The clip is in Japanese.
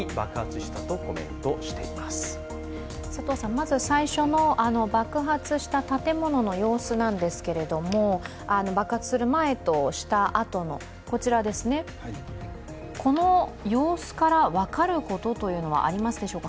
まず最初の爆発した建物の様子なんですけれども、爆発する前と、したあとの様子から分かることというのはありますでしょうか？